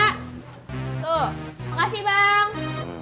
tuh makasih bang